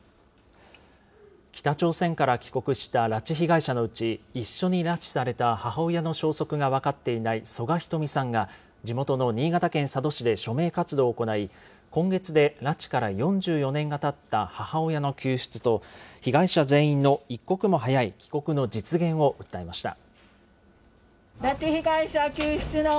北朝鮮から帰国した拉致被害者のうち、一緒に拉致された母親の消息が分かっていない曽我ひとみさんが、地元の新潟県佐渡市で署名活動を行い、今月で拉致から４４年がたった母親の救出と、被害者全員の一刻も早い帰国の実現を訴えました。